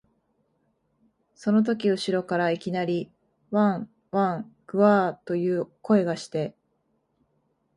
そのとき後ろからいきなり、わん、わん、ぐゎあ、という声がして、